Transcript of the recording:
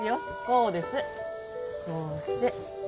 こうして。